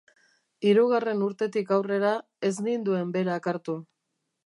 Hirugarren urtetik aurrera, ez ninduen berak hartu.